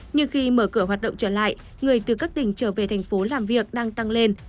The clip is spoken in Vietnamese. nhưng khi mở cửa hoạt động trở lại người từ các tỉnh trở về thành phố làm việc đang tăng lên